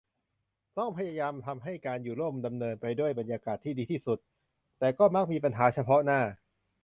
ต้องพยายามทำให้การอยู่ร่วมดำเนินไปด้วยบรรยากาศที่ดีที่สุด แต่ก็มักมีปัญหาเฉพาะหน้า